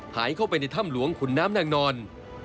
หายเข้าไปในถ้ำหลวงขุนน้ำนางนอน